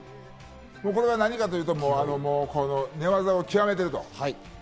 何かというと寝技を極めている。